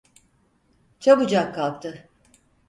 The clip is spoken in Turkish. Çabucak kalktı.